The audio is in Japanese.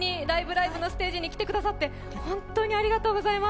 ライブ！」のステージに来てくださって本当にありがとうございます。